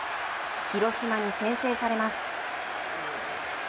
広島に先制されます。